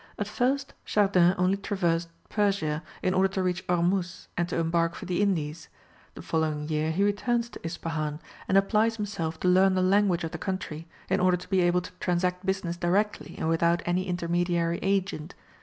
At first Chardin only traversed Persia in order to reach Ormuz and to embark for the Indies. The following year he returns to Ispahan, and applies himself to learn the language of the country, in order to be able to transact business directly and without any intermediary agent.